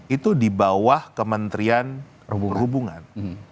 itu di bawah kementerian perhubungan